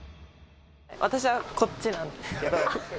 私はこっちなんですけど。